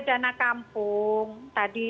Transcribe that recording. dana kampung tadi